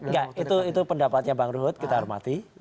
nggak itu pendapatnya bang rohod kita hormati